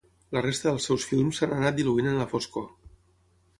La resta dels seus films s'han anat diluint en la foscor.